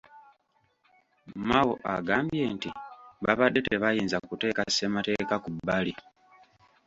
Mao agambye nti babadde tebayinza kuteeka ssemateeka ku bbali.